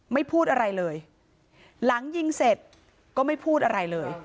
ไม่พูดอะไรเลยหลังยิงเสร็จก็ไม่พูดอะไรเลย